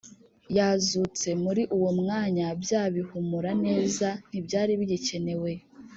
yazutse! muri uwo mwanya bya bihumura neza ntibyari bigikenewe